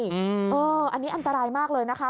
อืมเอออันนี้อันตรายมากเลยนะคะ